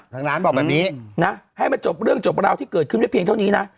ทางร้านบอกแบบนี้นะให้มันจบเรื่องจบราวที่เกิดขึ้นได้เพียงเท่านี้นะ